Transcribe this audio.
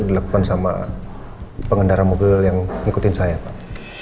dilakukan sama pengendara mobil yang ngikutin saya pak